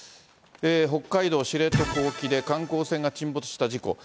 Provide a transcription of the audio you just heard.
北海道知床沖で観光船が沈没した事故。